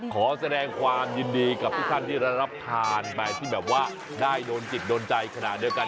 ขอแสดงความยินดีกับทุกท่านที่ได้รับทานไปที่แบบว่าได้โดนจิตโดนใจขณะเดียวกัน